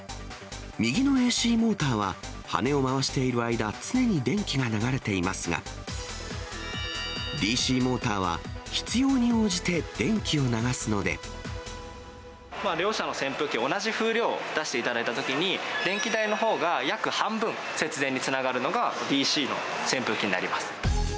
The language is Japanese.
右のＡＣモーターは、羽根を回している間、常に電気が流れていますが、ＤＣモーターは、両者の扇風機、同じ風量出していただいたときに、電気代のほうが約半分、節電につながるのがＤＣの扇風機になります。